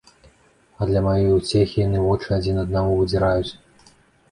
А для маёй уцехі яны вочы адзін аднаму выдзіраюць.